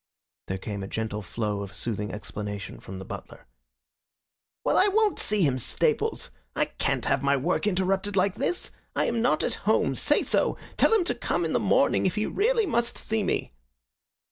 There came a gentle flow of soothing explanation from the butler. "Well, I won't see him, Staples. I can't have my work interrupted like this. I am not at home. Say so. Tell him to come in the morning if he really must see me."